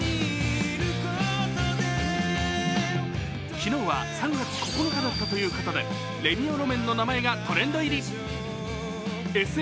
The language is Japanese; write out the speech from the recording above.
昨日は３月９日だったということで、レミオロメンの名前がトレンド入り。